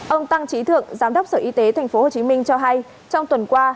ông tăng trí thượng giám đốc sở y tế tp hcm cho hay trong tuần qua